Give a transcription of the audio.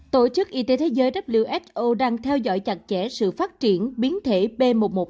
tổ chức y tế thế giới who đang theo dõi chặt chẽ sự phát triển biến thể b một một năm trăm hai mươi chín